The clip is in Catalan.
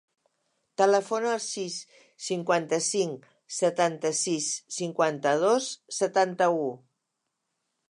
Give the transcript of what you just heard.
Telefona al sis, cinquanta-cinc, setanta-sis, cinquanta-dos, setanta-u.